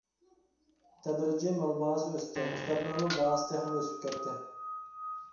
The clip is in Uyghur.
تەدرىجىي مال باھاسى ئۆستى، كىتابلارنىڭ باھاسى تېخىمۇ ئۆسۈپ كەتتى.